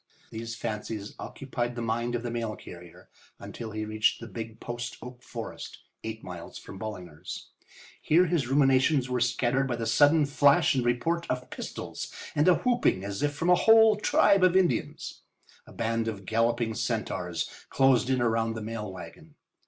These fancies occupied the mind of the mail carrier until he reached the big post oak forest, eight miles from Ballinger's. Here his ruminations were scattered by the sudden flash and report of pistols and a whooping as if from a whole tribe of Indians. A band of galloping centaurs closed in around the mail wagon.